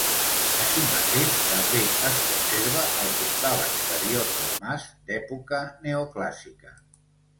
Així mateix també es conserva el portal exterior del mas, d'època neoclàssica.